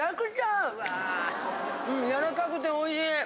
うんやわらかくておいしい。